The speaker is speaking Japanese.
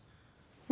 何？